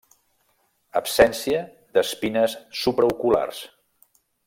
Absència d'espines supraoculars.